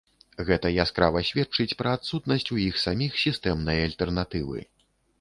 Гэта яскрава сведчыць пра адсутнасць у іх саміх сістэмнай альтэрнатывы.